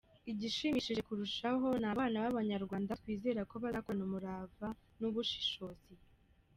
Igishimishije kurushaho ni abana b’abanyarwanda, twizera ko bazakorana umurava n’ubushishozi.